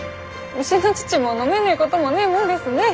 牛の乳も飲めねぇこともねぇもんですねぇ。